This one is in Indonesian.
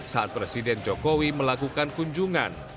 saat presiden jokowi melakukan kunjungan